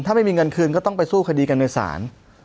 ถ้าไม่มีเงินคืนก็ต้องไปสู้คดีกันในศาล